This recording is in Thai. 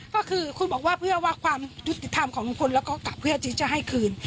ก็คือคุณบอกว่าเพื่อว่าความยุติธรรมของลุงพลแล้วก็กลับเพื่อที่จะให้คืน